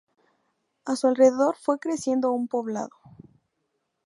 A su alrededor fue creciendo un poblado.